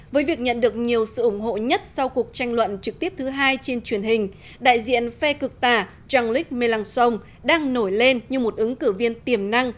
với việc nhận được nhiều sự ủng hộ nhất sau cuộc tranh luận trực tiếp thứ hai trên truyền hình đại diện phe cực tả jean lik melson đang nổi lên như một ứng cử viên tiềm năng